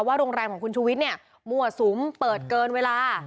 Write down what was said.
โรงแรมของคุณชูวิทย์เนี่ยมั่วสุมเปิดเกินเวลา